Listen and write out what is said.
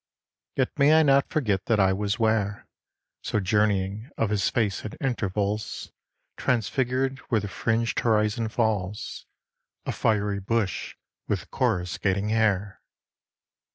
Yet may I not forget that I was 'ware, So journeying, of his face at intervals Transfigured where the fringed horizon falls,— A fiery bush with coruscating hair.